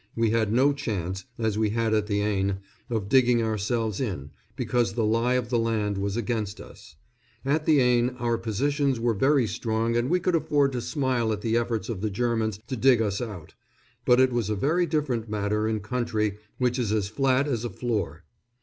We had no chance, as we had at the Aisne, of digging ourselves in, because the lie of the land was against us. At the Aisne our positions were very strong and we could afford to smile at the efforts of the Germans to dig us out; but it was a very different matter in country which is as flat as a floor.